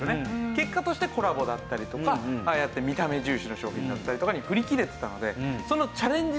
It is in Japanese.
結果としてコラボだったりとかああやって見た目重視の商品だったりとかに振り切れてたのでそのチャレンジ